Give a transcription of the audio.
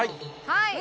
はい。